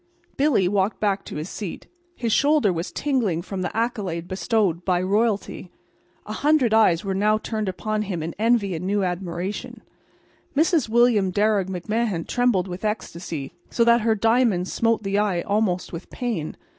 Billy walked back to his seat. His shoulder was tingling from the accolade bestowed by royalty. A hundred eyes were now turned upon him in envy and new admiration. Mrs. William Darragh McMahan trembled with ecstasy, so that her diamonds smote the eye almost with pain.